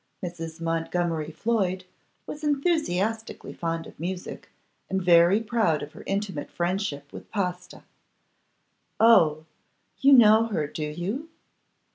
Mrs. Montgomery Floyd was enthusiastically fond of music, and very proud of her intimate friendship with Pasta. 'Oh! you know her, do you?